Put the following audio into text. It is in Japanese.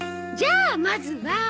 じゃあまずは。